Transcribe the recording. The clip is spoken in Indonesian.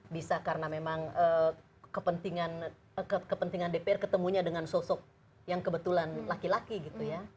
bisa karena memang kepentingan dpr ketemunya dengan sosok yang kebetulan laki laki gitu ya